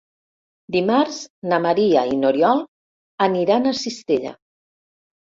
Dimarts na Maria i n'Oriol aniran a Cistella.